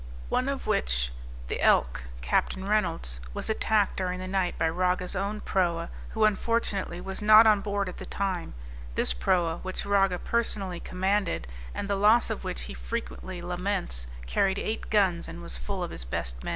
One of which, the Elk, Capt. Reynolds, was attacked during the night by Raga's own proa, who unfortunately was not on board at the time. This proa which Raga personally commanded, and the loss of which he frequently laments, carried eight guns and was full of his best men.